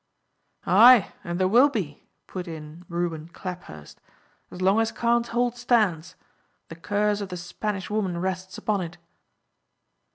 "Ay, and there will be," put in Reuben Claphurst, "as long as Carne's Hold stands; the curse of the Spanish woman rests upon it."